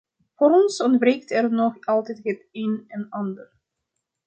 Voor ons ontbreekt er nog altijd het een en ander.